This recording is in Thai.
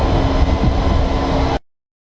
มันกลายเป็นภูมิที่สุดท้าย